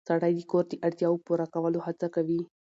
سړی د کور د اړتیاوو پوره کولو هڅه کوي